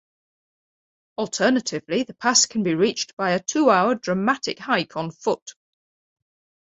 Alternatively, the pass can be reached by a two-hour dramatic hike on foot.